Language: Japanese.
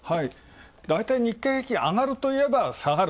だいたい日経平均、上がるといえば、下がる。